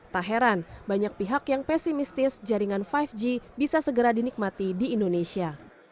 tak heran banyak pihak yang pesimistis jaringan lima g bisa segera dinikmati di indonesia